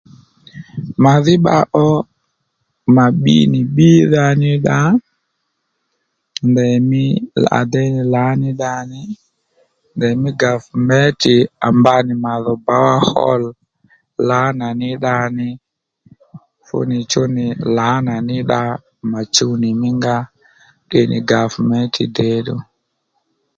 Màdhí bba ó mà bbinì bbídha ní dda ndeymí à déy lǎní dda ní ndèymí gàvmentè à mba nì màdho bòwá hólò lǎnà ní dda ní fú nì chú nì lǎnà ní dda mà chuw nì fú nì mí nga tde nì gàvmente děddù